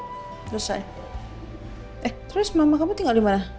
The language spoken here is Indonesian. selesai eh terus mama kamu tinggal di mana